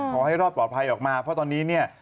ขอให้รอดปลอดภัยออกมาเพราะตอนนี้เนี่ย